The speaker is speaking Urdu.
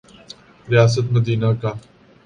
ریاست مدینہ کا۔